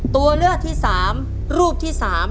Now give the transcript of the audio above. ตัวเลือกที่สามรูปที่สาม